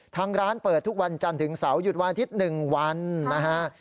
ทางร้านเปิดทุกวันจันทร์ถึงเสาร์หยุดวันอาทิตย์๑วันนะฮะ